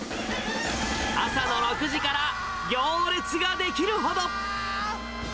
朝の６時から行列が出来るほど。